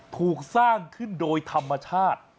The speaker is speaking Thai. ถูกสร้างขึ้นโดยธรรมชาติ